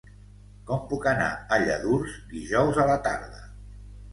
Com puc anar a Lladurs dijous a la tarda?